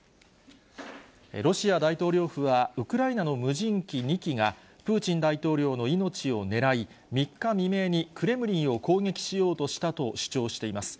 ロシア大統領府は、ウクライナの無人機２機が、プーチン大統領の命を狙い、３日未明にクレムリンを攻撃しようとしたと主張しています。